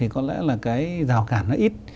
có lẽ là cái rào cản nó ít